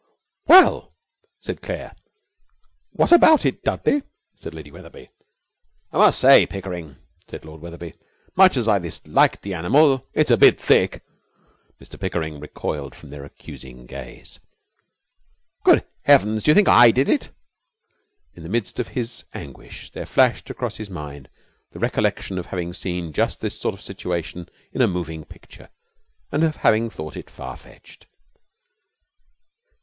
'Well!' said Claire. 'What about it, Dudley?' said Lady Wetherby. 'I must say, Pickering,' said Lord Wetherby, 'much as I disliked the animal, it's a bit thick!' Mr Pickering recoiled from their accusing gaze. 'Good heavens! Do you think I did it?' In the midst of his anguish there flashed across his mind the recollection of having seen just this sort of situation in a moving picture, and of having thought it far fetched.